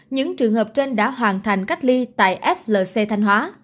những trường hợp trên đã hoàn thành cách ly tại flc thanh hóa